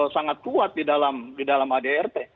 sangat kuat di dalam adrt